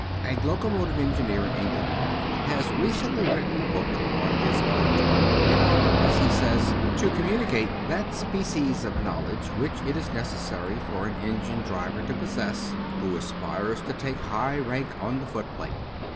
A locomotive engineer in England has recently written a book upon his art, in order, as he says, "to communicate that species of knowledge which it is necessary for an engine driver to possess who aspires to take high rank on the footplate!"